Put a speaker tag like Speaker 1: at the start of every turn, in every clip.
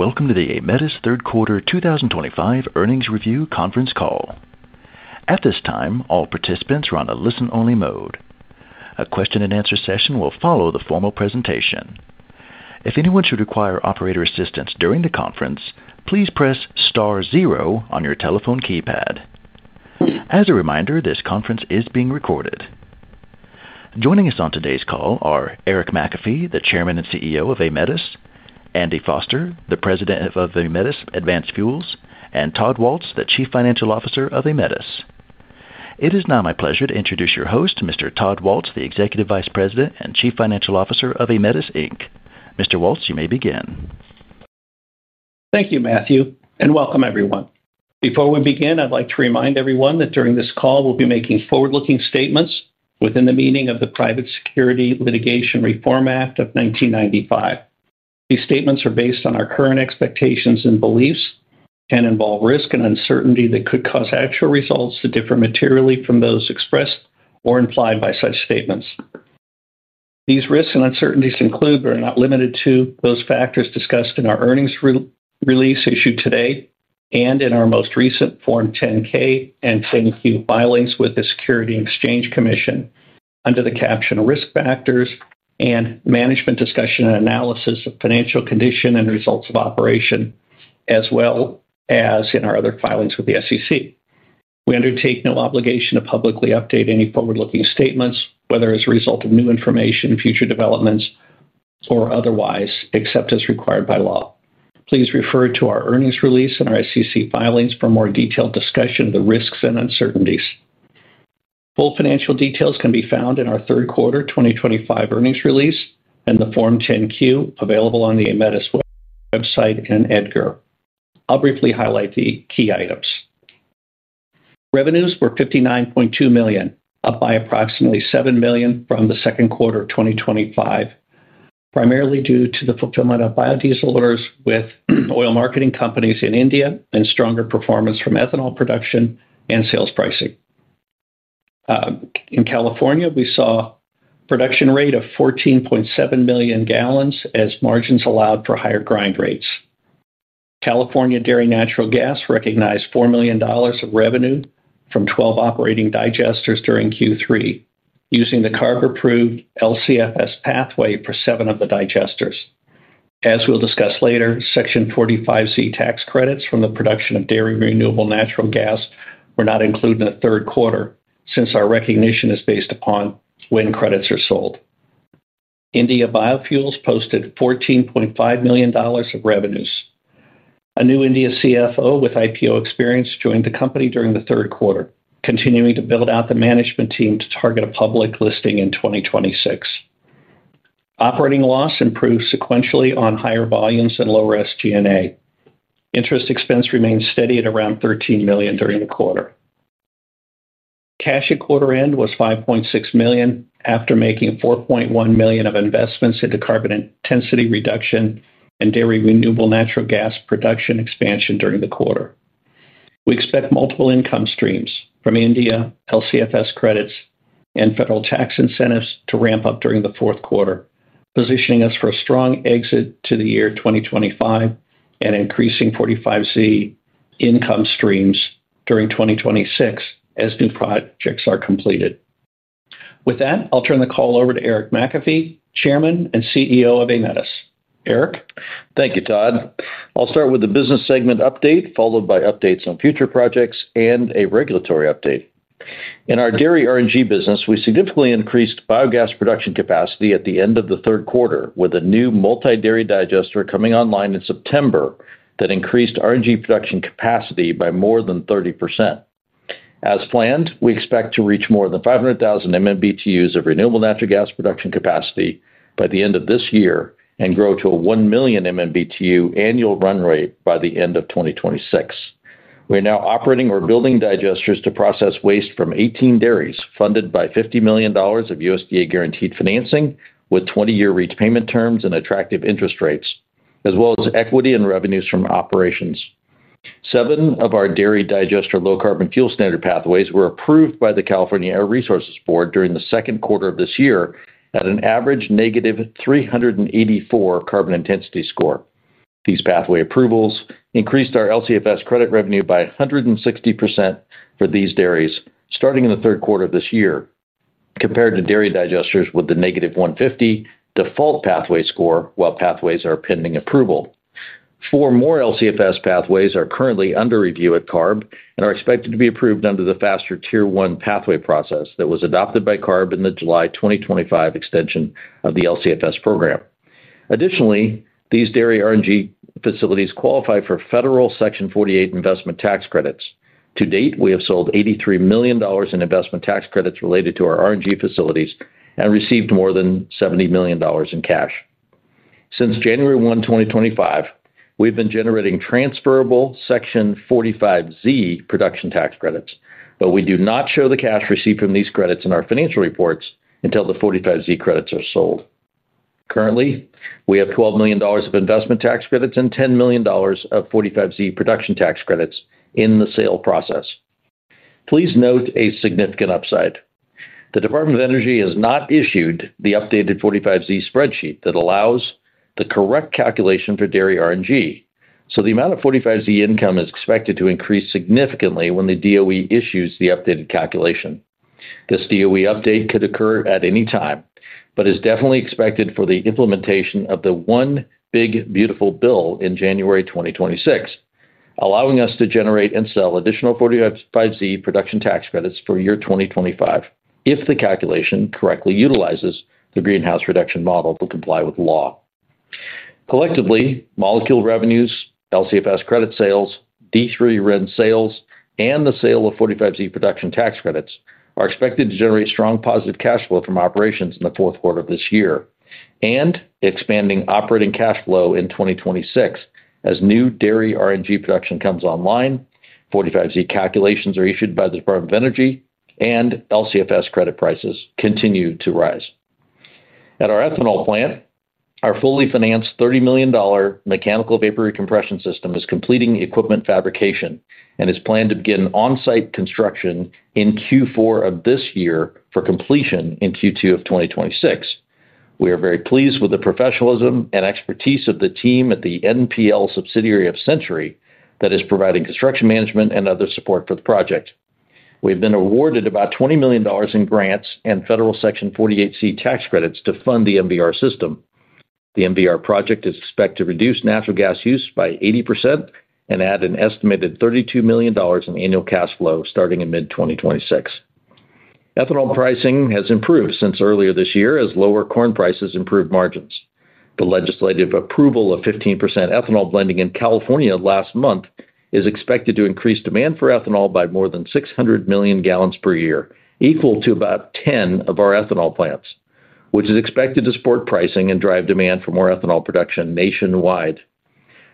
Speaker 1: Welcome to the Aemetis third quarter 2025 earnings review conference call. At this time, all participants are on a listen-only mode. A question-and-answer session will follow the formal presentation. If anyone should require operator assistance during the conference, please press star zero on your telephone keypad. As a reminder, this conference is being recorded. Joining us on today's call are Eric McAfee, the Chairman and CEO of Aemetis; Andy Foster, the President of Aemetis Advanced Fuels; and Todd Waltz, the Chief Financial Officer of Aemetis. It is now my pleasure to introduce your host, Mr. Todd Waltz, the Executive Vice President and Chief Financial Officer of Aemetis. Mr. Waltz, you may begin.
Speaker 2: Thank you, Matthew, and welcome everyone. Before we begin, I'd like to remind everyone that during this call we'll be making forward-looking statements within the meaning of the Private Securities Litigation Reform Act of 1995. These statements are based on our current expectations and beliefs and involve risk and uncertainty that could cause actual results to differ materially from those expressed or implied by such statements. These risks and uncertainties include, but are not limited to, those factors discussed in our earnings release issued today and in our most recent Form 10-K and 10-Q filings with the Securities and Exchange Commission under the caption "Risk Factors" and management discussion and analysis of financial condition and results of operations, as well as in our other filings with the SEC. We undertake no obligation to publicly update any forward-looking statements, whether as a result of new information, future developments, or otherwise, except as required by law. Please refer to our earnings release and our SEC filings for more detailed discussion of the risks and uncertainties. Full financial details can be found in our third quarter 2025 earnings release and the Form 10-Q available on the Aemetis website and EdGov. I'll briefly highlight the key items. Revenues were $59.2 million, up by approximately $7 million from the second quarter of 2025. Primarily due to the fulfillment of biodiesel orders with oil marketing companies in India and stronger performance from ethanol production and sales pricing. In California, we saw a production rate of 14.7 million gallons as margins allowed for higher grind rates. California Dairy Natural Gas recognized $4 million of revenue from 12 operating digesters during Q3 using the CARB-approved LCFS pathway for seven of the digesters. As we'll discuss later, Section 45(c) tax credits from the production of dairy renewable natural gas were not included in the third quarter since our recognition is based upon when credits are sold. India Biofuels posted $14.5 million of revenues. A new India CFO with IPO experience joined the company during the third quarter, continuing to build out the management team to target a public listing in 2026. Operating loss improved sequentially on higher volumes and lower SG&A. Interest expense remained steady at around $13 million during the quarter. Cash at quarter end was $5.6 million after making $4.1 million of investments into carbon intensity reduction and dairy renewable natural gas production expansion during the quarter. We expect multiple income streams from India, LCFS credits, and federal tax incentives to ramp up during the fourth quarter, positioning us for a strong exit to the year 2025 and increasing 45(z) income streams during 2026 as new projects are completed. With that, I'll turn the call over to Eric McAfee, Chairman and CEO of Aemetis. Eric.
Speaker 3: Thank you, Todd. I'll start with the business segment update, followed by updates on future projects and a regulatory update. In our dairy RNG business, we significantly increased biogas production capacity at the end of the third quarter with a new multi-dairy digester coming online in September that increased RNG production capacity by more than 30%. As planned, we expect to reach more than 500,000 MMBTU of renewable natural gas production capacity by the end of this year and grow to a 1 million MMBTU annual run rate by the end of 2026. We are now operating or building digesters to process waste from 18 dairies funded by $50 million of USDA-guaranteed financing with 20-year repayment terms and attractive interest rates, as well as equity and revenues from operations. Seven of our dairy digester Low Carbon Fuel Standard pathways were approved by the California Air Resources Board during the second quarter of this year at an average negative 384 carbon intensity score. These pathway approvals increased our LCFS credit revenue by 160% for these dairies starting in the third quarter of this year, compared to dairy digesters with the negative 150 default pathway score while pathways are pending approval. Four more LCFS pathways are currently under review at CARB and are expected to be approved under the FASTER Tier 1 pathway process that was adopted by CARB in the July 2025 extension of the LCFS program. Additionally, these dairy RNG facilities qualify for federal Section 48 investment tax credits. To date, we have sold $83 million in investment tax credits related to our RNG facilities and received more than $70 million in cash. Since January 1, 2025, we've been generating transferable Section 45(z) production tax credits, but we do not show the cash received from these credits in our financial reports until the 45(z) credits are sold. Currently, we have $12 million of investment tax credits and $10 million of 45(z) production tax credits in the sale process. Please note a significant upside. The Department of Energy has not issued the updated 45(z) spreadsheet that allows the correct calculation for dairy RNG, so the amount of 45(z) income is expected to increase significantly when the DOE issues the updated calculation. This DOE update could occur at any time but is definitely expected for the implementation of the one big beautiful bill in January 2026, allowing us to generate and sell additional 45(z) production tax credits for year 2025 if the calculation correctly utilizes the greenhouse reduction model to comply with law. Collectively, molecule revenues, LCFS credit sales, D3 RIN sales, and the sale of 45(z) production tax credits are expected to generate strong positive cash flow from operations in the fourth quarter of this year and expanding operating cash flow in 2026 as new dairy RNG production comes online, 45(z) calculations are issued by the Department of Energy, and LCFS credit prices continue to rise. At our ethanol plant, our fully financed $30 million mechanical vapor recompression system is completing equipment fabrication and is planned to begin on-site construction in Q4 of this year for completion in Q2 of 2026. We are very pleased with the professionalism and expertise of the team at the NPL subsidiary of Century that is providing construction management and other support for the project. We have been awarded about $20 million in grants and federal Section 48(c) tax credits to fund the MVR system. The MVR project is expected to reduce natural gas use by 80% and add an estimated $32 million in annual cash flow starting in mid-2026. Ethanol pricing has improved since earlier this year as lower corn prices improved margins. The legislative approval of 15% ethanol blending in California last month is expected to increase demand for ethanol by more than 600 million gallons per year, equal to about 10 of our ethanol plants, which is expected to support pricing and drive demand for more ethanol production nationwide.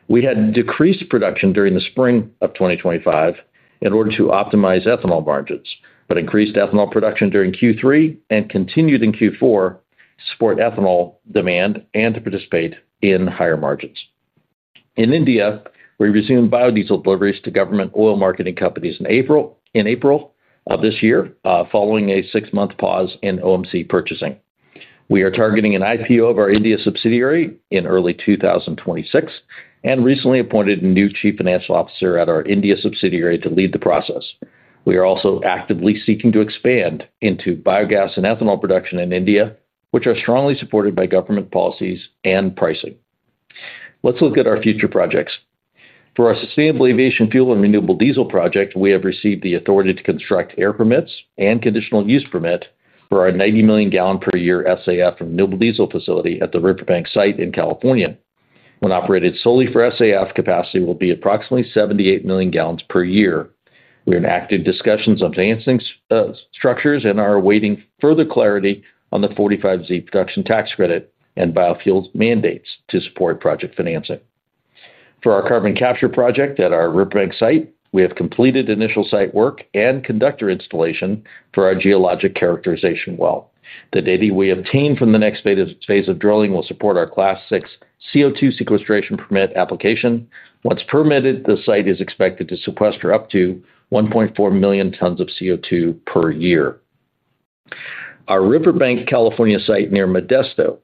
Speaker 3: We had decreased production during the spring of 2025 in order to optimize ethanol margins, but increased ethanol production during Q3 and continued in Q4 to support ethanol demand and to participate in higher margins. In India, we resumed biodiesel deliveries to government oil marketing companies in April of this year, following a six-month pause in OMC purchasing. We are targeting an IPO of our India subsidiary in early 2026 and recently appointed a new Chief Financial Officer at our India subsidiary to lead the process. We are also actively seeking to expand into biogas and ethanol production in India, which are strongly supported by government policies and pricing. Let's look at our future projects. For our sustainable aviation fuel and renewable diesel project, we have received the authority to construct air permits and conditional use permit for our 90 million gallon per year SAF renewable diesel facility at the Riverbank site in California. When operated solely for SAF, capacity will be approximately 78 million gallons per year. We are in active discussions on financing structures and are awaiting further clarity on the 45(z) production tax credit and biofuels mandates to support project financing. For our carbon capture project at our Riverbank site, we have completed initial site work and conductor installation for our geologic characterization well. The data we obtain from the next phase of drilling will support our Class 6 CO2 sequestration permit application. Once permitted, the site is expected to sequester up to 1.4 million tons of CO2 per year. Our Riverbank, California, site near Modesto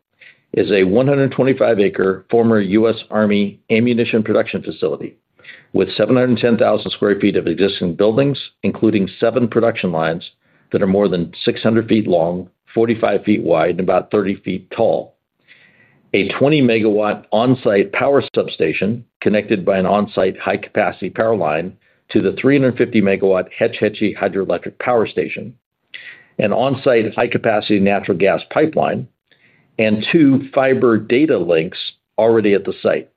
Speaker 3: is a 125-acre former U.S. Army ammunition production facility with 710,000 sq ft of existing buildings, including seven production lines that are more than 600 ft long, 45 ft wide, and about 30 ft tall. A 20-megawatt on-site power substation connected by an on-site high-capacity power line to the 350-megawatt Hech Hetchy hydroelectric power station, an on-site high-capacity natural gas pipeline, and two fiber data links already at the site.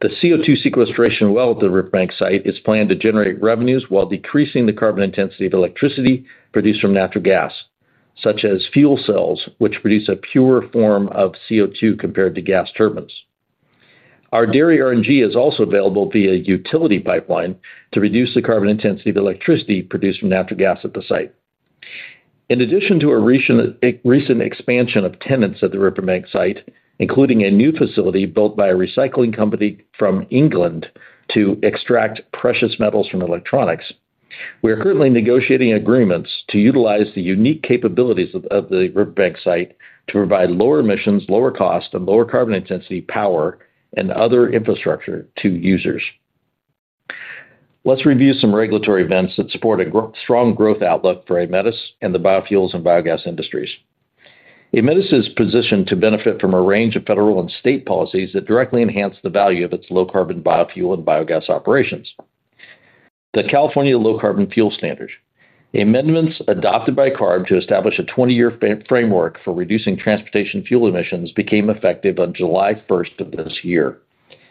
Speaker 3: The CO2 sequestration well at the Riverbank site is planned to generate revenues while decreasing the carbon intensity of electricity produced from natural gas, such as fuel cells, which produce a purer form of CO2 compared to gas turbines. Our dairy RNG is also available via a utility pipeline to reduce the carbon intensity of electricity produced from natural gas at the site. In addition to a recent expansion of tenants at the Riverbank site, including a new facility built by a recycling company from England to extract precious metals from electronics, we are currently negotiating agreements to utilize the unique capabilities of the Riverbank site to provide lower emissions, lower cost, and lower carbon intensity power and other infrastructure to users. Let's review some regulatory events that support a strong growth outlook for Aemetis and the biofuels and biogas industries. Aemetis is positioned to benefit from a range of federal and state policies that directly enhance the value of its low-carbon biofuel and biogas operations. The California Low Carbon Fuel Standard, amendments adopted by CARB to establish a 20-year framework for reducing transportation fuel emissions, became effective on July 1 of this year.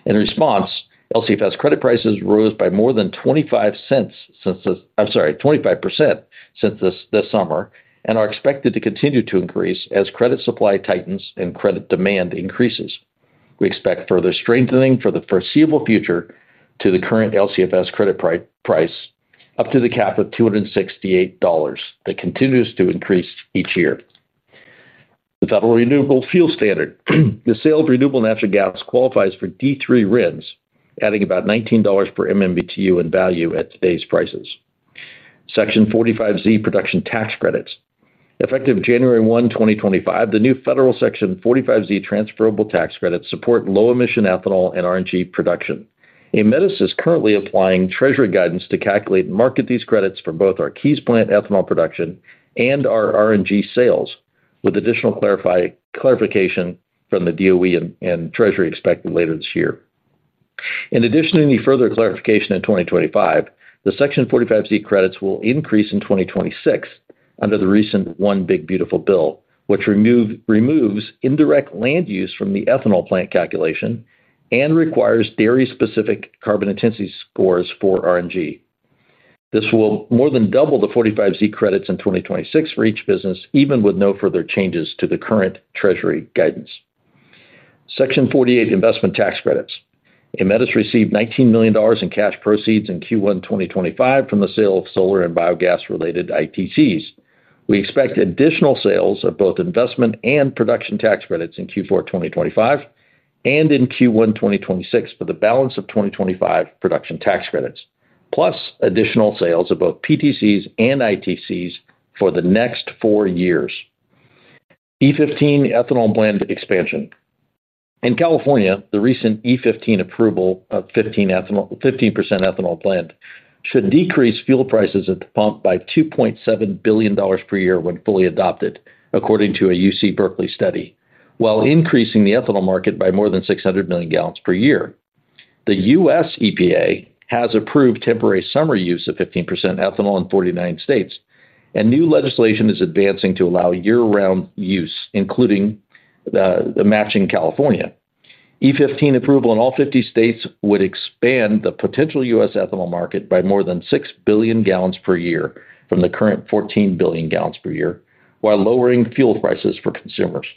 Speaker 3: In response, LCFS credit prices rose by more than 25% since this summer and are expected to continue to increase as credit supply tightens and credit demand increases. We expect further strengthening for the foreseeable future to the current LCFS credit price up to the cap of $268 that continues to increase each year. The Federal Renewable Fuel Standard, the sale of renewable natural gas qualifies for D3 RINs, adding about $19 per MMBTU in value at today's prices. Section 45(z) production tax credits. Effective January 1, 2025, the new federal Section 45(z) transferable tax credits support low-emission ethanol and RNG production. Aemetis is currently applying Treasury guidance to calculate and market these credits for both our Keyes plant ethanol production and our RNG sales, with additional clarification from the DOE and Treasury expected later this year. In addition to any further clarification in 2025, the Section 45(z) credits will increase in 2026 under the recent One Big Beautiful bill, which removes indirect land use from the ethanol plant calculation and requires dairy-specific carbon intensity scores for RNG. This will more than double the 45(z) credits in 2026 for each business, even with no further changes to the current Treasury guidance. Section 48 investment tax credits. Aemetis received $19 million in cash proceeds in Q1 2025 from the sale of solar and biogas-related ITCs. We expect additional sales of both investment and production tax credits in Q4 2025 and in Q1 2026 for the balance of 2025 production tax credits, plus additional sales of both PTCs and ITCs for the next four years. E15 ethanol blend expansion. In California, the recent E15 approval of 15% ethanol blend should decrease fuel prices at the pump by $2.7 billion per year when fully adopted, according to a UC Berkeley study, while increasing the ethanol market by more than 600 million gallons per year. The U.S. EPA has approved temporary summary use of 15% ethanol in 49 states, and new legislation is advancing to allow year-round use, including the match in California. E15 approval in all 50 states would expand the potential U.S. ethanol market by more than 6 billion gallons per year from the current 14 billion gallons per year, while lowering fuel prices for consumers.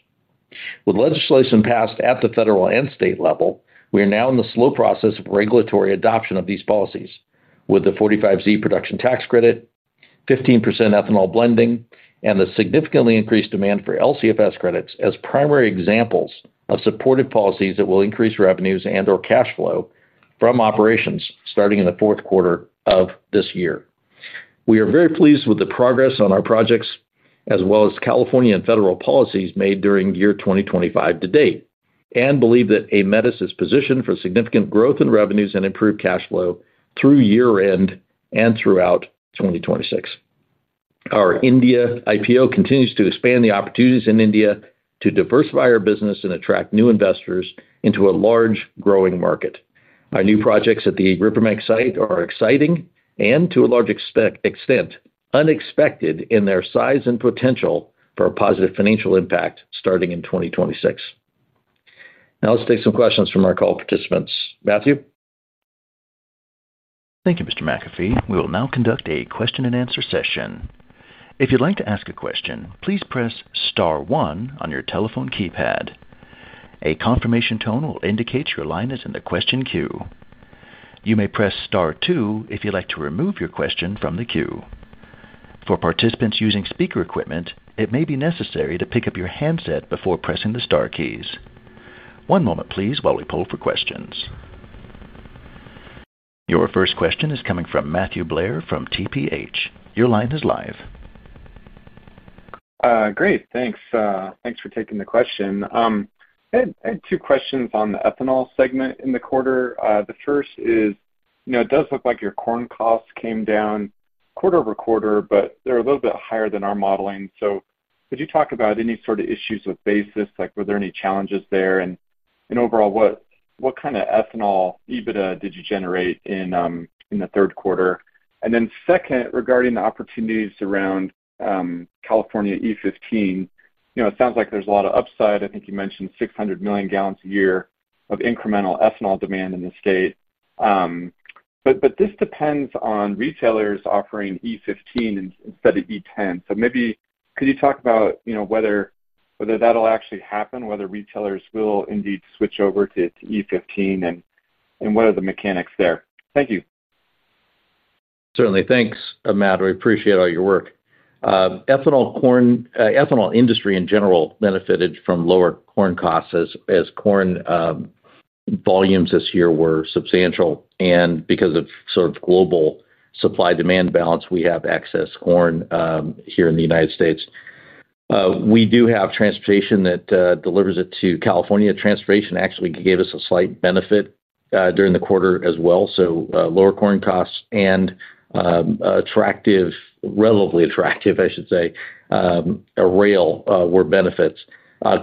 Speaker 3: With legislation passed at the federal and state level, we are now in the slow process of regulatory adoption of these policies, with the 45(z) production tax credit, 15% ethanol blending, and the significantly increased demand for LCFS credits as primary examples of supportive policies that will increase revenues and/or cash flow from operations starting in the fourth quarter of this year. We are very pleased with the progress on our projects, as well as California and federal policies made during year 2025 to date, and believe that Aemetis is positioned for significant growth in revenues and improved cash flow through year-end and throughout 2026. Our India IPO continues to expand the opportunities in India to diversify our business and attract new investors into a large growing market. Our new projects at the Riverbank site are exciting and, to a large extent, unexpected in their size and potential for a positive financial impact starting in 2026. Now, let's take some questions from our call participants. Matthew?
Speaker 1: Thank you, Mr. McAfee. We will now conduct a question-and-answer session. If you'd like to ask a question, please press Star 1 on your telephone keypad. A confirmation tone will indicate your line is in the question queue. You may press Star 2 if you'd like to remove your question from the queue. For participants using speaker equipment, it may be necessary to pick up your handset before pressing the star keys. One moment, please, while we pull for questions. Your first question is coming from Matthew Blair from TPH. Your line is live.
Speaker 4: Great. Thanks. Thanks for taking the question. I had two questions on the ethanol segment in the quarter. The first is, it does look like your corn costs came down quarter over quarter, but they're a little bit higher than our modeling. Could you talk about any sort of issues with basis? Were there any challenges there? Overall, what kind of ethanol EBITDA did you generate in the third quarter? Second, regarding the opportunities around California E15, it sounds like there's a lot of upside. I think you mentioned 600 million gallons a year of incremental ethanol demand in the state. This depends on retailers offering E15 instead of E10. Maybe could you talk about whether that'll actually happen, whether retailers will indeed switch over to E15, and what are the mechanics there? Thank you.
Speaker 3: Certainly. Thanks, Matthew. We appreciate all your work. Ethanol industry, in general, benefited from lower corn costs as corn volumes this year were substantial because of sort of global supply-demand balance, we have excess corn here in the United States. We do have transportation that delivers it to California. Transportation actually gave us a slight benefit during the quarter as well. Lower corn costs and relatively attractive, I should say, rail were benefits.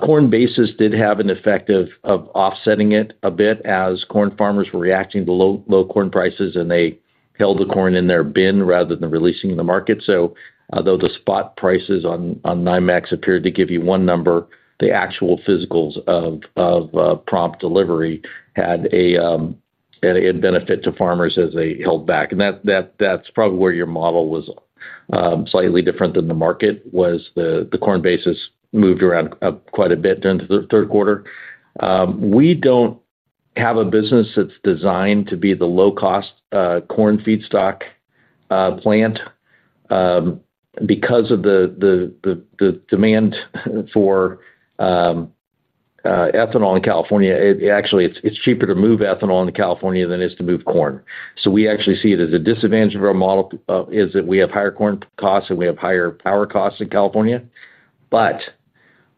Speaker 3: Corn basis did have an effect of offsetting it a bit as corn farmers were reacting to low corn prices, and they held the corn in their bin rather than releasing it in the market. Although the spot prices on NIMEX appeared to give you one number, the actual physicals of prompt delivery had a benefit to farmers as they held back. That is probably where your model was slightly different than the market, as the corn basis moved around quite a bit during the third quarter. We don't have a business that's designed to be the low-cost corn feedstock plant. Because of the demand for ethanol in California, actually, it's cheaper to move ethanol into California than it is to move corn. We actually see it as a disadvantage of our model that we have higher corn costs and we have higher power costs in California.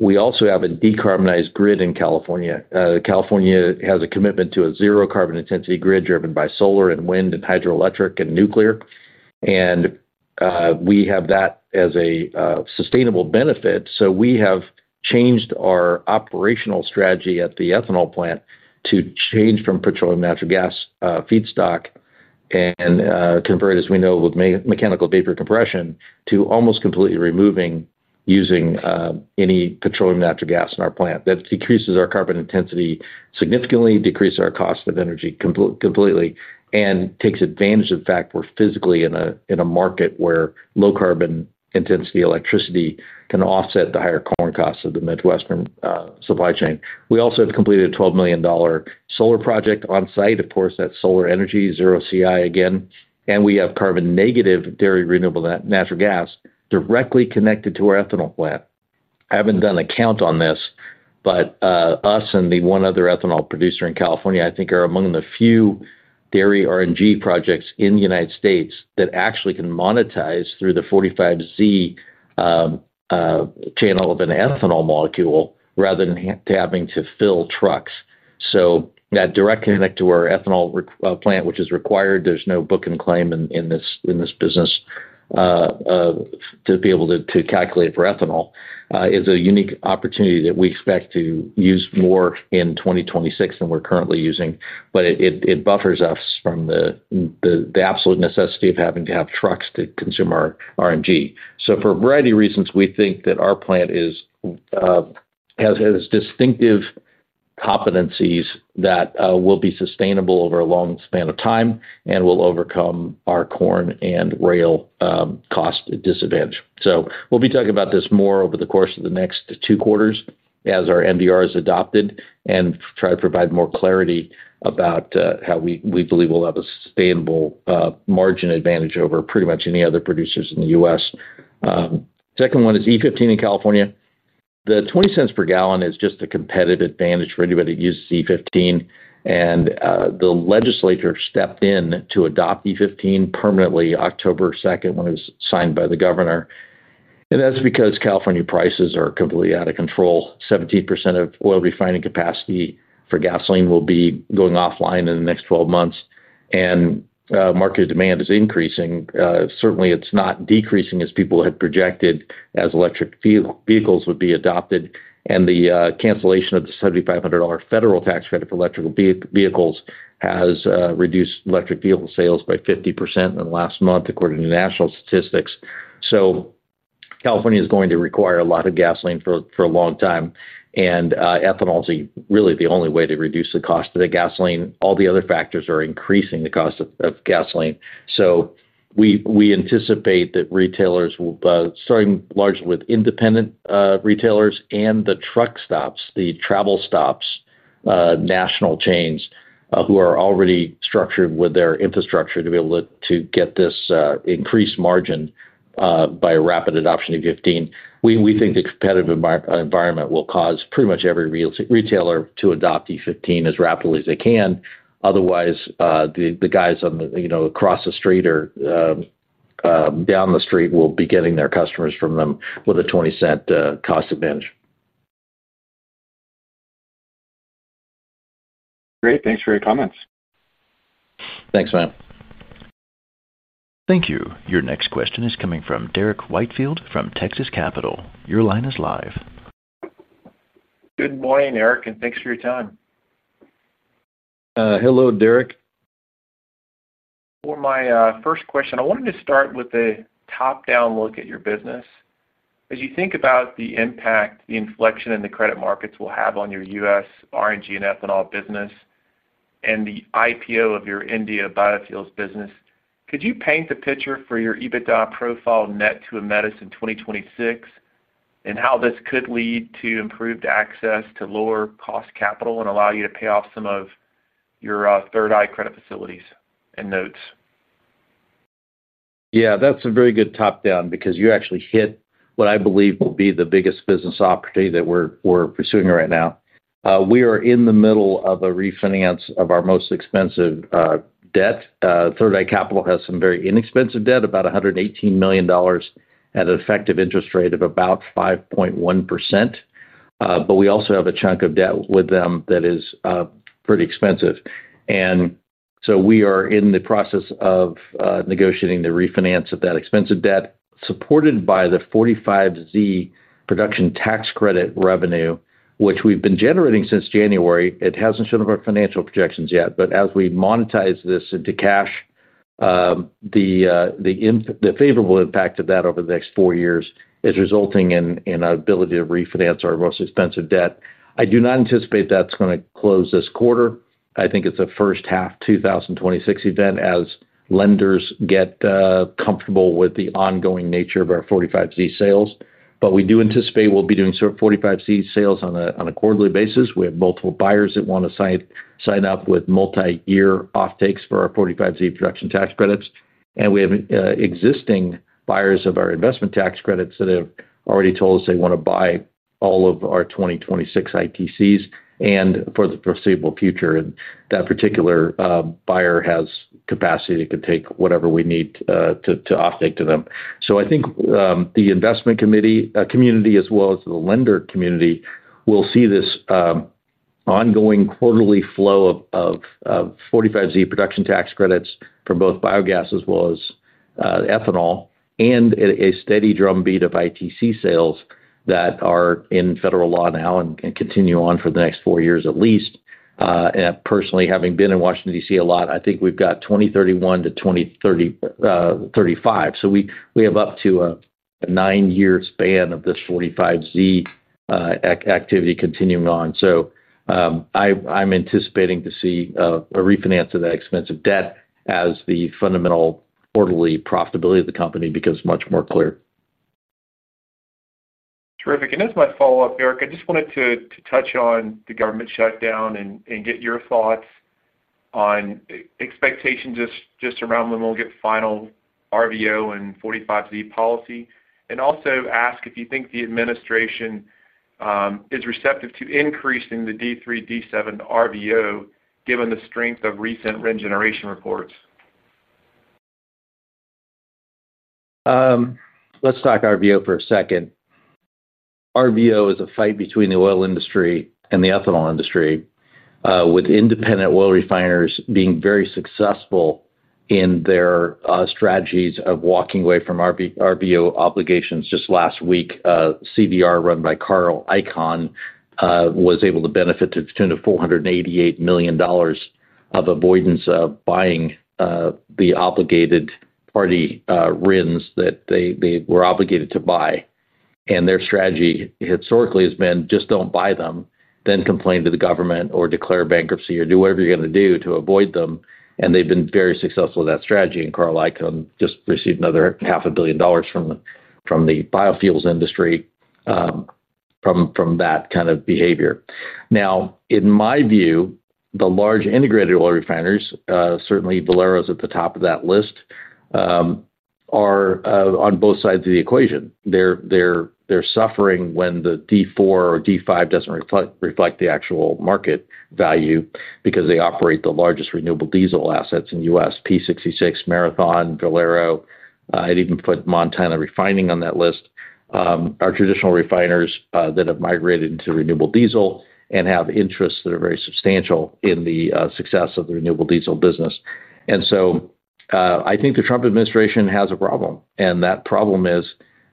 Speaker 3: We also have a decarbonized grid in California. California has a commitment to a zero-carbon intensity grid driven by solar and wind and hydroelectric and nuclear. We have that as a sustainable benefit. We have changed our operational strategy at the ethanol plant to change from petroleum and natural gas feedstock and convert, as we know, with mechanical vapor recompression to almost completely removing using any petroleum and natural gas in our plant. That decreases our carbon intensity significantly, decreases our cost of energy completely, and takes advantage of the fact we're physically in a market where low-carbon intensity electricity can offset the higher corn costs of the Midwestern supply chain. We also have completed a $12 million solar project on site, of course, at solar energy, zero CI again. And we have carbon-negative dairy renewable natural gas directly connected to our ethanol plant. I haven't done a count on this, but us and the one other ethanol producer in California, I think, are among the few dairy RNG projects in the United States that actually can monetize through the 45(z) channel of an ethanol molecule rather than having to fill trucks. So that direct connect to our ethanol plant, which is required, there's no booking claim in this business. To be able to calculate for ethanol, is a unique opportunity that we expect to use more in 2026 than we're currently using. It buffers us from the absolute necessity of having to have trucks to consume our RNG. For a variety of reasons, we think that our plant has distinctive competencies that will be sustainable over a long span of time and will overcome our corn and rail cost disadvantage. We will be talking about this more over the course of the next two quarters as our MVR is adopted and try to provide more clarity about how we believe we will have a sustainable margin advantage over pretty much any other producers in the U.S. Second one is E15 in California. The $0.20 per gallon is just a competitive advantage for anybody who uses E15. The legislature stepped in to adopt E15 permanently October 2nd when it was signed by the governor. That is because California prices are completely out of control. 17% of oil refining capacity for gasoline will be going offline in the next 12 months. Market demand is increasing. Certainly, it is not decreasing as people had projected as electric vehicles would be adopted. The cancellation of the $7,500 federal tax credit for electric vehicles has reduced electric vehicle sales by 50% in the last month, according to national statistics. California is going to require a lot of gasoline for a long time. Ethanol is really the only way to reduce the cost of the gasoline. All the other factors are increasing the cost of gasoline. We anticipate that retailers will start largely with independent retailers and the truck stops, the travel stops. National chains who are already structured with their infrastructure to be able to get this increased margin by rapid adoption of E15. We think the competitive environment will cause pretty much every retailer to adopt E15 as rapidly as they can. Otherwise, the guys across the street or down the street will be getting their customers from them with a $0.20 cost advantage.
Speaker 4: Great. Thanks for your comments.
Speaker 3: Thanks, Matthew.
Speaker 1: Thank you. Your next question is coming from Derek Whitefield from Texas Capital. Your line is live. Good morning, Eric, and thanks for your time. Hello, Derek.
Speaker 5: For my first question, I wanted to start with a top-down look at your business. As you think about the impact, the inflection, and the credit markets will have on your U.S. RNG and ethanol business. The IPO of your India biofuels business, could you paint the picture for your EBITDA profile net to Aemetis in 2026. How this could lead to improved access to lower-cost capital and allow you to pay off some of your Third Eye Capital credit facilities and notes?
Speaker 3: Yeah, that's a very good top-down because you actually hit what I believe will be the biggest business opportunity that we're pursuing right now. We are in the middle of a refinance of our most expensive debt. Third Eye Capital has some very inexpensive debt, about $118 million at an effective interest rate of about 5.1%. We also have a chunk of debt with them that is pretty expensive. We are in the process of negotiating the refinance of that expensive debt, supported by the 45(z) production tax credit revenue, which we've been generating since January. It hasn't shown up in our financial projections yet. As we monetize this into cash, the favorable impact of that over the next four years is resulting in our ability to refinance our most expensive debt. I do not anticipate that's going to close this quarter. I think it's a first-half 2026 event as lenders get comfortable with the ongoing nature of our 45(z) sales. We do anticipate we'll be doing 45(z) sales on a quarterly basis. We have multiple buyers that want to sign up with multi-year offtakes for our 45(z) production tax credits. We have existing buyers of our investment tax credits that have already told us they want to buy all of our 2026 ITCs and for the foreseeable future. That particular buyer has capacity to take whatever we need to offtake to them. I think the investment community, as well as the lender community, will see this ongoing quarterly flow of 45(z) production tax credits for both biogas as well as ethanol and a steady drumbeat of ITC sales that are in federal law now and can continue on for the next four years at least. Personally, having been in Washington, DC a lot, I think we've got 2031 to 2035. We have up to a nine-year span of this 45(z) activity continuing on. I'm anticipating to see a refinance of that expensive debt as the fundamental quarterly profitability of the company becomes much more clear. Terrific. As my follow-up, Eric, I just wanted to touch on the government shutdown and get your thoughts on expectations just around when we'll get final RVO and 45(z) policy. I also ask if you think the administration. Is receptive to increasing the D3, D7 RVO given the strength of recent RIN generation reports. Let's talk RVO for a second. RVO is a fight between the oil industry and the ethanol industry. With independent oil refiners being very successful in their strategies of walking away from RVO obligations. Just last week, CVR run by Carl Icahn was able to benefit to a tune of $488 million of avoidance of buying the obligated party RINs that they were obligated to buy. Their strategy historically has been, just do not buy them, then complain to the government or declare bankruptcy or do whatever you are going to do to avoid them. They have been very successful with that strategy. Carl Icahn just received another half a billion dollars from the biofuels industry from that kind of behavior. Now, in my view, the large integrated oil refiners, certainly Valero's at the top of that list, are on both sides of the equation. They're suffering when the D4 or D5 doesn't reflect the actual market value because they operate the largest renewable diesel assets in the U.S. P66, Marathon, Valero, and even put Montana Refining on that list, are traditional refiners that have migrated into renewable diesel and have interests that are very substantial in the success of the renewable diesel business. I think the Trump administration has a problem. That problem is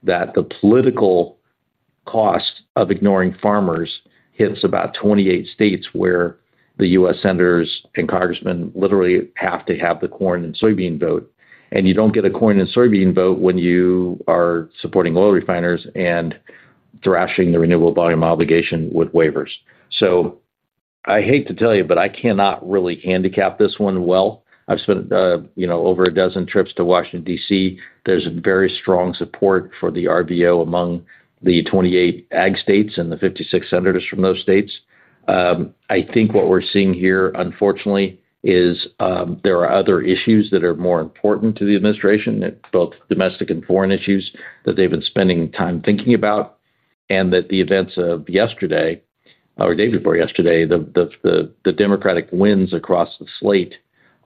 Speaker 3: that the political cost of ignoring farmers hits about 28 states where the U.S. senators and congressmen literally have to have the corn and soybean vote. You don't get a corn and soybean vote when you are supporting oil refiners and thrashing the renewable volume obligation with waivers. I hate to tell you, but I cannot really handicap this one well. I've spent over a dozen trips to Washington, DC. There's very strong support for the RVO among the 28 ag states and the 56 senators from those states. I think what we're seeing here, unfortunately, is there are other issues that are more important to the administration, both domestic and foreign issues that they've been spending time thinking about. The events of yesterday or the day before yesterday, the Democratic wins across the slate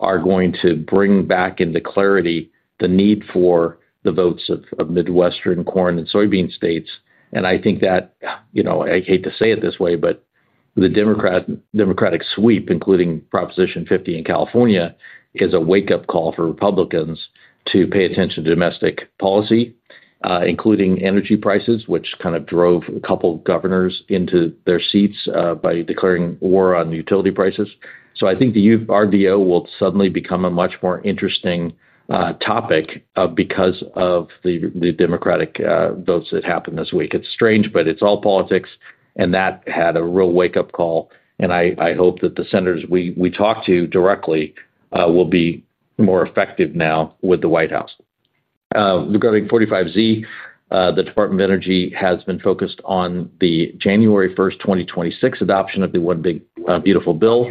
Speaker 3: are going to bring back into clarity the need for the votes of Midwestern corn and soybean states. I think that. I hate to say it this way, but the Democratic sweep, including Proposition 50 in California, is a wake-up call for Republicans to pay attention to domestic policy, including energy prices, which kind of drove a couple of governors into their seats by declaring war on utility prices. I think the RVO will suddenly become a much more interesting topic because of the Democratic votes that happened this week. It's strange, but it's all politics. That had a real wake-up call. I hope that the senators we talk to directly will be more effective now with the White House. Regarding 45(z), the Department of Energy has been focused on the January 1, 2026 adoption of the One Big Beautiful Bill.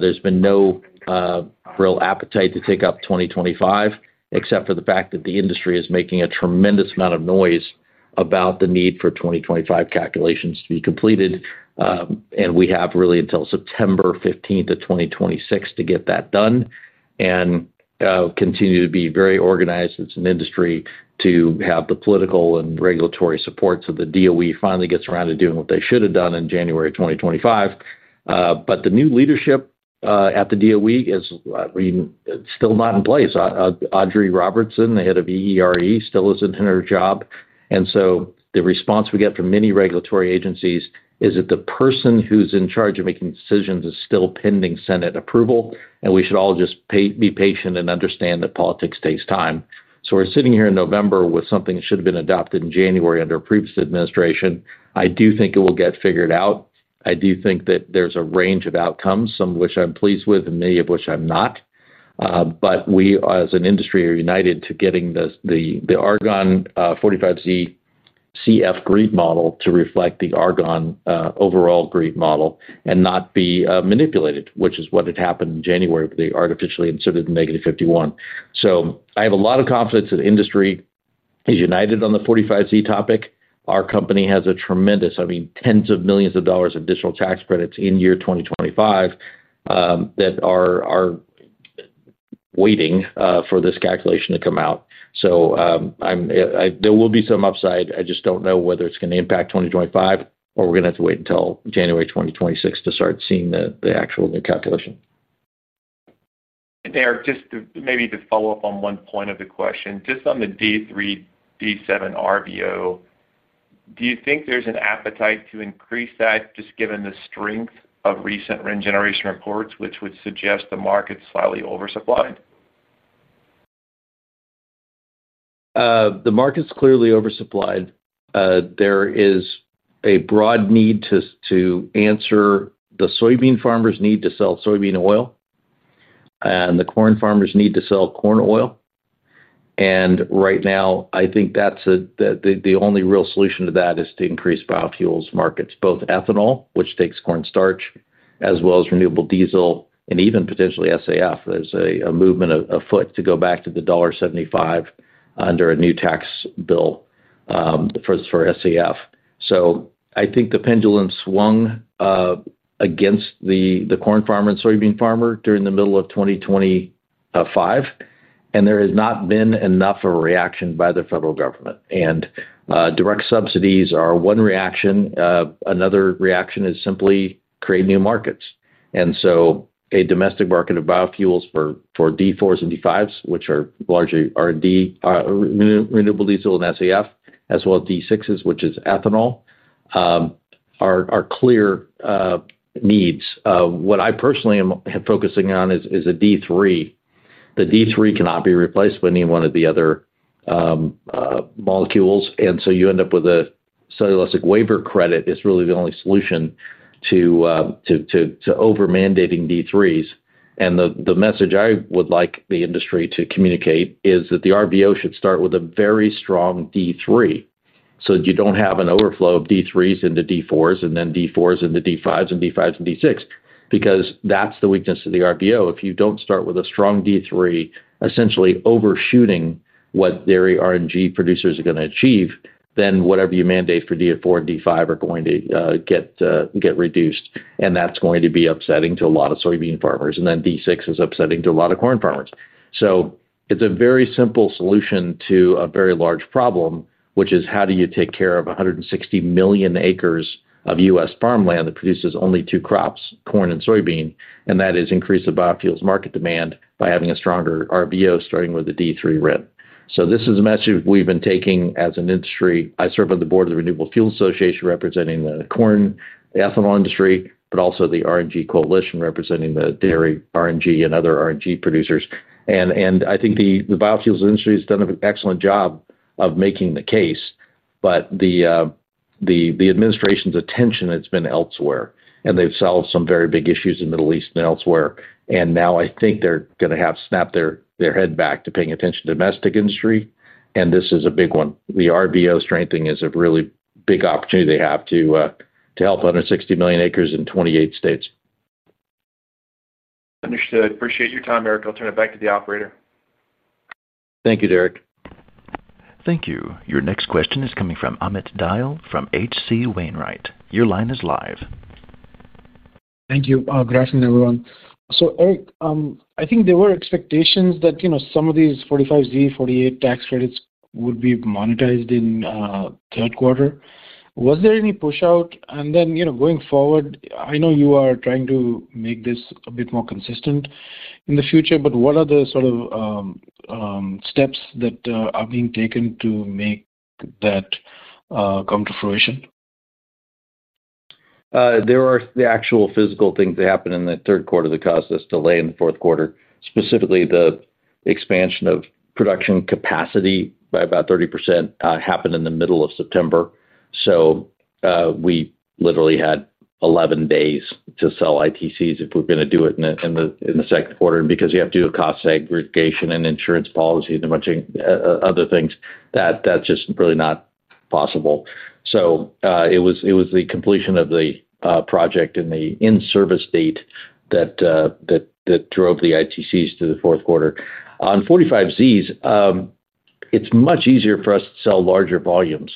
Speaker 3: There's been no. Real appetite to take up 2025, except for the fact that the industry is making a tremendous amount of noise about the need for 2025 calculations to be completed. We have really until September 15th of 2026 to get that done. Continue to be very organized as an industry to have the political and regulatory support so the DOE finally gets around to doing what they should have done in January 2025. The new leadership at the DOE is still not in place. Audrey Robertson, the head of EERE, still isn't in her job. The response we get from many regulatory agencies is that the person who's in charge of making decisions is still pending Senate approval. We should all just be patient and understand that politics takes time. We're sitting here in November with something that should have been adopted in January under a previous administration. I do think it will get figured out. I do think that there's a range of outcomes, some of which I'm pleased with and many of which I'm not. We, as an industry, are united to getting the Argonne 45(z) CI GREET model to reflect the Argonne overall GREET model and not be manipulated, which is what had happened in January with the artificially inserted negative 51. I have a lot of confidence that the industry is united on the 45(z) topic. Our company has a tremendous, I mean, tens of millions of dollars of additional tax credits in year 2025 that are waiting for this calculation to come out. There will be some upside. I just don't know whether it's going to impact 2025 or we're going to have to wait until January 2026 to start seeing the actual new calculation.
Speaker 5: Eric, just maybe to follow up on one point of the question, just on the D3, D7 RVO. Do you think there's an appetite to increase that just given the strength of recent RIN generation reports, which would suggest the market's slightly oversupplied?
Speaker 3: The market's clearly oversupplied. There is a broad need to answer the soybean farmers' need to sell soybean oil. And the corn farmers' need to sell corn oil. Right now, I think that's. The only real solution to that is to increase biofuels markets, both ethanol, which takes corn starch, as well as renewable diesel, and even potentially SAF. There's a movement afoot to go back to the $1.75 under a new tax bill. For SAF. I think the pendulum swung against the corn farmer and soybean farmer during the middle of 2025. There has not been enough of a reaction by the federal government. Direct subsidies are one reaction. Another reaction is simply creating new markets. A domestic market of biofuels for D4s and D5s, which are largely renewable diesel and SAF, as well as D6s, which is ethanol, are clear needs. What I personally am focusing on is a D3. The D3 cannot be replaced by any one of the other molecules. You end up with a cellulosic waiver credit. It is really the only solution to over-mandating D3s. The message I would like the industry to communicate is that the RVO should start with a very strong D3 so that you do not have an overflow of D3s into D4s and then D4s into D5s and D5s into D6s because that is the weakness of the RVO. If you do not start with a strong D3, essentially overshooting what dairy RNG producers are going to achieve, then whatever you mandate for D4 and D5 are going to get reduced. That is going to be upsetting to a lot of soybean farmers. D6 is upsetting to a lot of corn farmers. It is a very simple solution to a very large problem, which is how do you take care of 160 million acres of U.S. farmland that produces only two crops, corn and soybean? That is increase the biofuels market demand by having a stronger RVO starting with the D3 RIN. This is a message we've been taking as an industry. I serve on the Board of the Renewable Fuels Association representing the corn, the ethanol industry, but also the RNG Coalition representing the dairy RNG and other RNG producers. I think the biofuels industry has done an excellent job of making the case. The administration's attention has been elsewhere. They've solved some very big issues in the Middle East and elsewhere. Now I think they're going to have to snap their head back to paying attention to domestic industry. This is a big one. The RVO strengthening is a really big opportunity they have to help 160 million acres in 28 states.
Speaker 5: Understood. Appreciate your time, Eric. I'll turn it back to the operator.
Speaker 3: Thank you, Derek.
Speaker 1: Thank you. Your next question is coming from Amit Dayal from HC Wainwright. Your line is live.
Speaker 6: Thank you. Good afternoon, everyone. Eric, I think there were expectations that some of these 45(z) 48 tax credits would be monetized in third quarter. Was there any push-out? Going forward, I know you are trying to make this a bit more consistent in the future, but what are the sort of steps that are being taken to make that come to fruition?
Speaker 3: There are the actual physical things that happen in the third quarter that caused this delay in the fourth quarter. Specifically, the expansion of production capacity by about 30% happened in the middle of September. We literally had 11 days to sell ITCs if we were going to do it in the second quarter because you have to do a cost segregation and insurance policy and a bunch of other things, that's just really not possible. It was the completion of the project and the in-service date that drove the ITCs to the fourth quarter. On 45(z)s, it's much easier for us to sell larger volumes.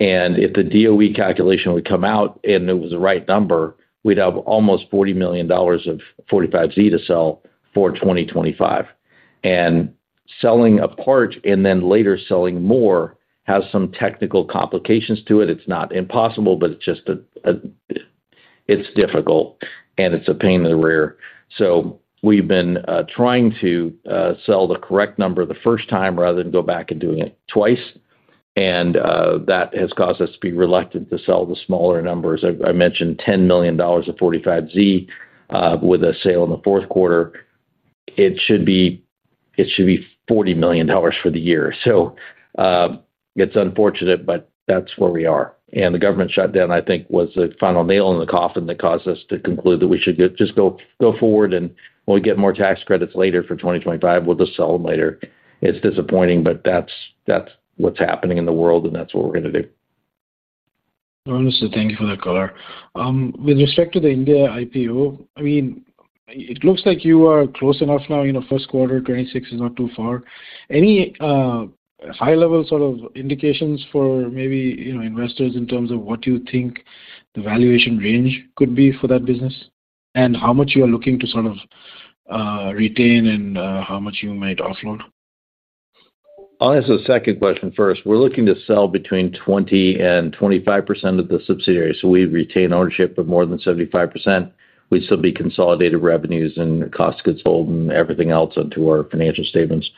Speaker 3: If the DOE calculation would come out and it was the right number, we'd have almost $40 million of 45(z) to sell for 2025. Selling a part and then later selling more has some technical complications to it. It's not impossible, but it's just difficult, and it's a pain in the rear. We've been trying to sell the correct number the first time rather than go back and doing it twice, and that has caused us to be reluctant to sell the smaller numbers. I mentioned $10 million of 45(z) with a sale in the fourth quarter. It should be $40 million for the year. It's unfortunate, but that's where we are. The government shutdown, I think, was the final nail in the coffin that caused us to conclude that we should just go forward. When we get more tax credits later for 2025, we'll just sell them later. It's disappointing, but that's what's happening in the world, and that's what we're going to do.
Speaker 6: Understood. Thank you for that, collar. With respect to the India IPO, I mean, it looks like you are close enough now. First quarter 2026 is not too far. Any high-level sort of indications for maybe investors in terms of what you think the valuation range could be for that business and how much you are looking to sort of retain and how much you might offload?
Speaker 3: I'll answer the second question first. We're looking to sell between 20% and 25% of the subsidiaries. So we retain ownership of more than 75%. We still be consolidated revenues and costs consoled and everything else into our financial statements.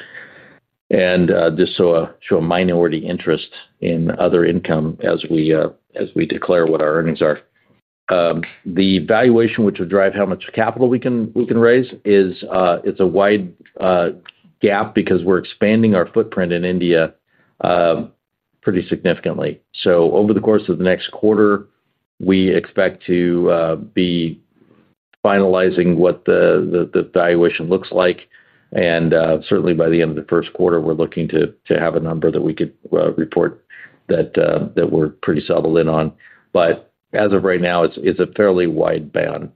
Speaker 3: And just show a minority interest in other income as we declare what our earnings are. The valuation, which will drive how much capital we can raise, is a wide gap because we're expanding our footprint in India pretty significantly. Over the course of the next quarter, we expect to be finalizing what the valuation looks like. Certainly, by the end of the first quarter, we're looking to have a number that we could report that we're pretty settled in on. As of right now, it's a fairly wide band.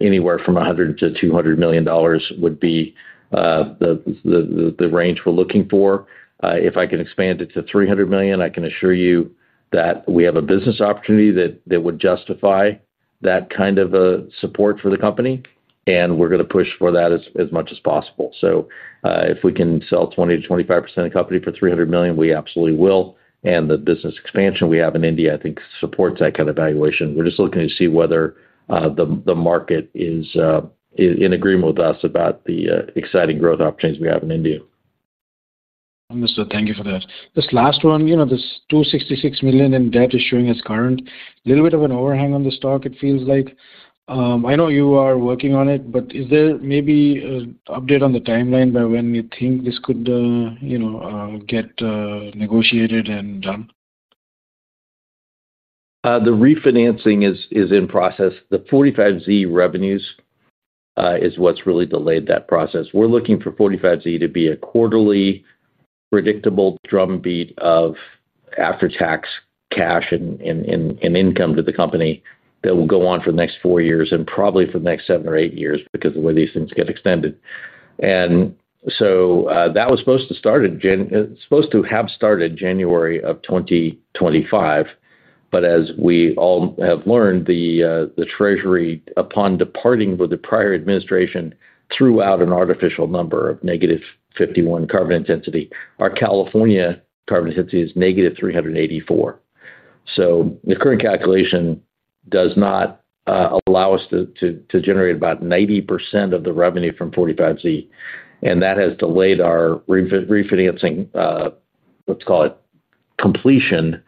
Speaker 3: Anywhere from $100 million-$200 million would be. The range we're looking for. If I can expand it to $300 million, I can assure you that we have a business opportunity that would justify that kind of support for the company. We are going to push for that as much as possible. If we can sell 20%-25% of the company for $300 million, we absolutely will. The business expansion we have in India, I think, supports that kind of valuation. We are just looking to see whether the market is in agreement with us about the exciting growth opportunities we have in India.
Speaker 6: Understood. Thank you for that. This last one, this $266 million in debt is showing as current. A little bit of an overhang on the stock, it feels like. I know you are working on it, but is there maybe an update on the timeline by when you think this could get negotiated and done?
Speaker 3: The refinancing is in process. The 45(z) revenues is what's really delayed that process. We're looking for 45(z) to be a quarterly, predictable drumbeat of after-tax cash and income to the company that will go on for the next four years and probably for the next seven or eight years because of the way these things get extended. That was supposed to start in January. It's supposed to have started January of 2025. As we all have learned, the Treasury, upon departing with the prior administration, threw out an artificial number of negative 51 carbon intensity. Our California carbon intensity is negative 384. The current calculation does not allow us to generate about 90% of the revenue from 45(z). That has delayed our refinancing. Let's call it completion,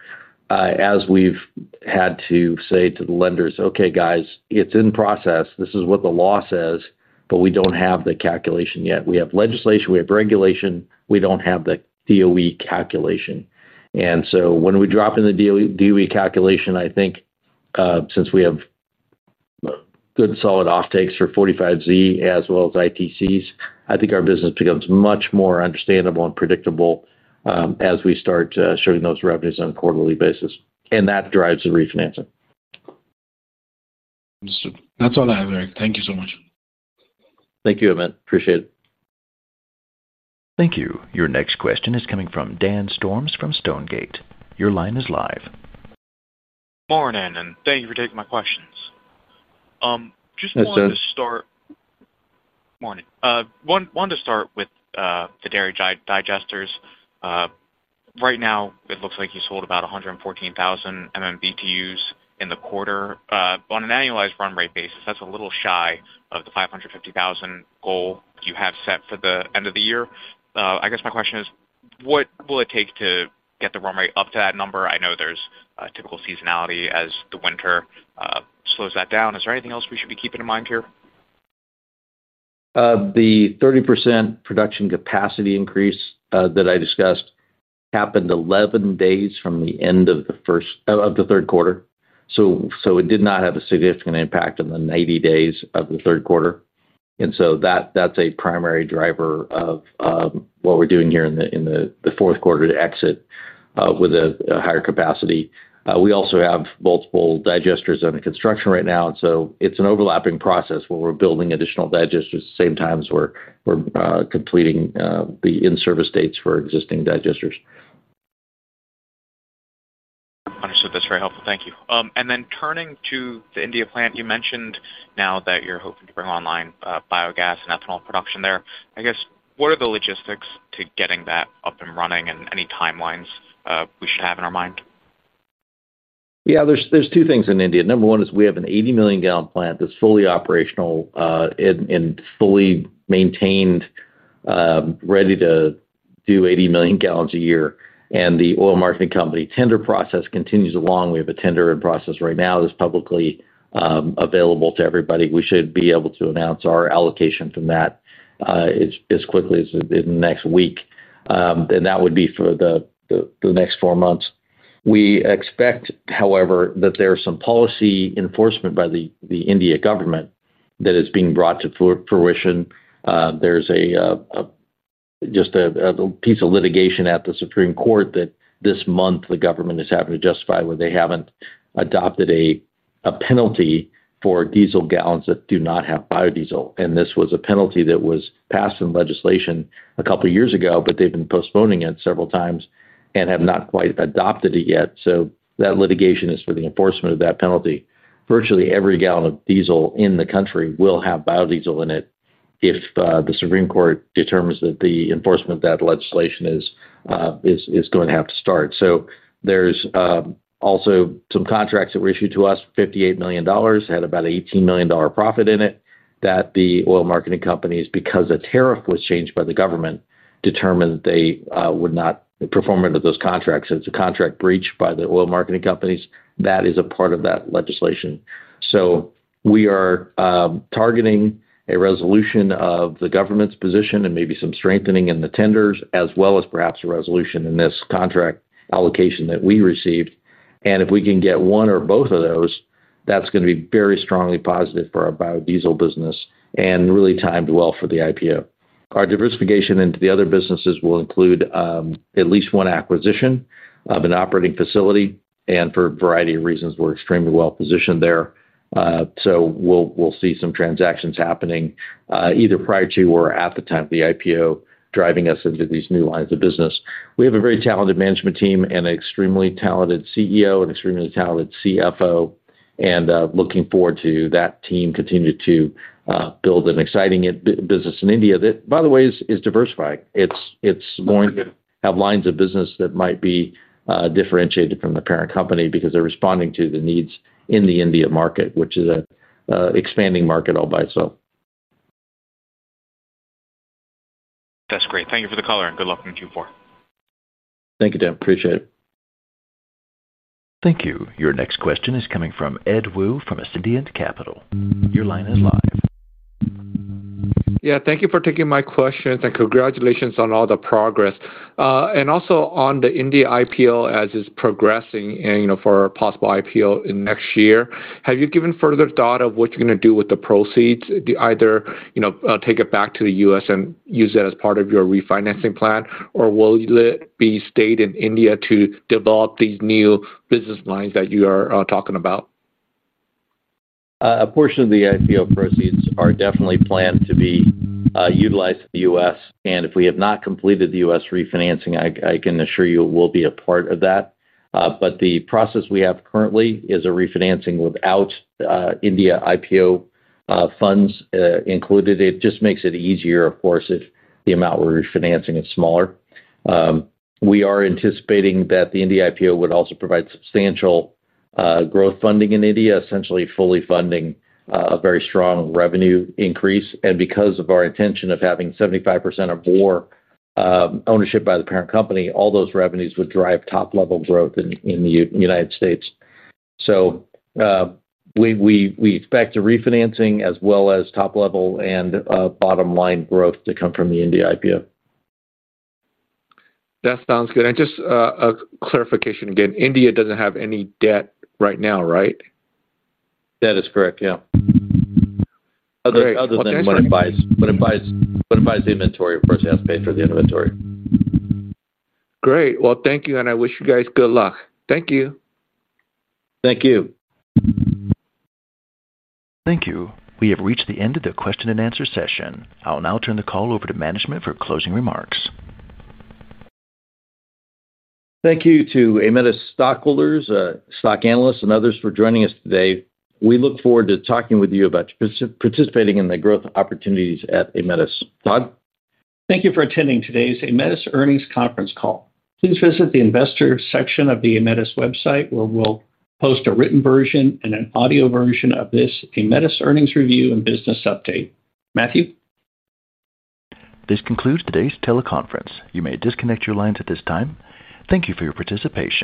Speaker 3: as we've had to say to the lenders, "Okay, guys, it's in process. This is what the law says, but we do not have the calculation yet. We have legislation, we have regulation. We do not have the DOE calculation. When we drop in the DOE calculation, I think, since we have good solid offtakes for 45(z) as well as ITCs, I think our business becomes much more understandable and predictable as we start showing those revenues on a quarterly basis. That drives the refinancing.
Speaker 6: Understood. That is all I have, Eric. Thank you so much.
Speaker 3: Thank you, Amit. Appreciate it.
Speaker 1: Thank you. Your next question is coming from Dave Storms from Stonegate. Your line is live.
Speaker 7: Good morning, and thank you for taking my questions. Just wanted to start. Morning. Wanted to start with the dairy digesters. Right now, it looks like you sold about 114,000 MMBTUs in the quarter. On an annualized run rate basis, that's a little shy of the 550,000 goal you have set for the end of the year. I guess my question is, what will it take to get the run rate up to that number? I know there's typical seasonality as the winter slows that down. Is there anything else we should be keeping in mind here?
Speaker 3: The 30% production capacity increase that I discussed happened 11 days from the end of the third quarter. So it did not have a significant impact on the 90 days of the third quarter. And so that's a primary driver of what we're doing here in the fourth quarter to exit with a higher capacity. We also have multiple digesters under construction right now. It is an overlapping process where we are building additional digesters at the same time as we are completing the in-service dates for existing digesters.
Speaker 7: Understood. That is very helpful. Thank you. Turning to the India plant, you mentioned now that you are hoping to bring online biogas and ethanol production there. I guess, what are the logistics to getting that up and running and any timelines we should have in our mind?
Speaker 3: Yeah, there are two things in India. Number one is we have an 80 million gallon plant that is fully operational and fully maintained, ready to do 80 million gallons a year. The oil marketing company tender process continues along. We have a tender in process right now that is publicly available to everybody. We should be able to announce our allocation from that as quickly as in the next week, and that would be for the next four months. We expect, however, that there's some policy enforcement by the India government that is being brought to fruition. There's a, just a piece of litigation at the Supreme Court that this month the government is having to justify where they haven't adopted a penalty for diesel gallons that do not have biodiesel. This was a penalty that was passed in legislation a couple of years ago, but they've been postponing it several times and have not quite adopted it yet. That litigation is for the enforcement of that penalty. Virtually every gallon of diesel in the country will have biodiesel in it if the Supreme Court determines that the enforcement of that legislation is going to have to start. There's also some contracts that were issued to us for $58 million. It had about an $18 million profit in it that the oil marketing companies, because a tariff was changed by the government, determined they would not perform under those contracts. It is a contract breach by the oil marketing companies. That is a part of that legislation. We are targeting a resolution of the government's position and maybe some strengthening in the tenders, as well as perhaps a resolution in this contract allocation that we received. If we can get one or both of those, that is going to be very strongly positive for our biodiesel business and really timed well for the IPO. Our diversification into the other businesses will include at least one acquisition of an operating facility. For a variety of reasons, we are extremely well positioned there. We'll see some transactions happening either prior to or at the time of the IPO, driving us into these new lines of business. We have a very talented management team and an extremely talented CEO and extremely talented CFO. Looking forward to that team continuing to build an exciting business in India that, by the way, is diversifying. It's going to have lines of business that might be differentiated from the parent company because they're responding to the needs in the India market, which is an expanding market all by itself.
Speaker 7: That's great. Thank you for the call, Eric. Good luck on Q4.
Speaker 3: Thank you, Dave. Appreciate it.
Speaker 1: Thank you. Your next question is coming from Edward Woo from Ascendient Capital. Your line is live.
Speaker 8: Yeah, thank you for taking my questions. Congratulations on all the progress. Also on the India IPO as it's progressing and for a possible IPO in next year, have you given further thought of what you're going to do with the proceeds, either take it back to the US and use that as part of your refinancing plan, or will it be stayed in India to develop these new business lines that you are talking about?
Speaker 3: A portion of the IPO proceeds are definitely planned to be utilized in the US. If we have not completed the US refinancing, I can assure you it will be a part of that. The process we have currently is a refinancing without India IPO funds included. It just makes it easier, of course, if the amount we're refinancing is smaller. We are anticipating that the India IPO would also provide substantial growth funding in India, essentially fully funding a very strong revenue increase. Because of our intention of having 75% or more ownership by the parent company, all those revenues would drive top-level growth in the United States. We expect the refinancing as well as top-level and bottom-line growth to come from the India IPO.
Speaker 8: That sounds good. Just a clarification again, India does not have any debt right now, right?
Speaker 3: That is correct. Yeah. Other than what it buys inventory for us, it has to pay for the inventory.
Speaker 8: Great. Thank you. I wish you guys good luck. Thank you.
Speaker 3: Thank you.
Speaker 1: Thank you. We have reached the end of the question and answer session. I will now turn the call over to management for closing remarks.
Speaker 3: Thank you to Aemetis stockholders, stock analysts, and others for joining us today. We look forward to talking with you about participating in the growth opportunities at Aemetis. Todd?
Speaker 2: Thank you for attending today's Aemetis earnings conference call. Please visit the investor section of the Aemetis website where we'll post a written version and an audio version of this Aemetis earnings review and business update. Matthew?
Speaker 1: This concludes today's teleconference. You may disconnect your lines at this time. Thank you for your participation.